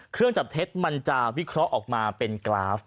เครื่องจับเท็จมันจะวิเคราะห์ออกมาเป็นกราฟ